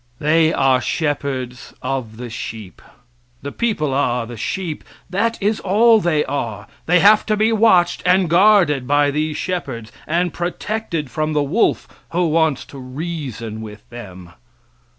They are shepherds of the sheep. The people are the sheep that is all they are, they have to be watched and guarded by these shepherds and protected from the wolf who wants to reason with them.